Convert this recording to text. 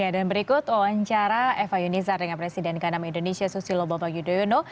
dan berikut wawancara eva yunizar dengan presiden k enam indonesia susilo bambang yudhoyono